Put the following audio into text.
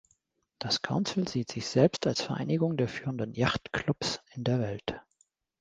Das Council sieht sich selbst als Vereinigung der führenden Yachtclubs in der Welt.